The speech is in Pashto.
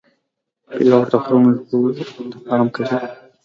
پیلوټ د غرونو لوړو ته پام کوي.